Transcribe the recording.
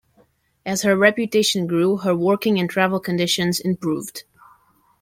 As her reputation grew, her working and travel conditions improved.